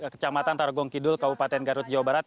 kecamatan tarogong kidul kabupaten garut jawa barat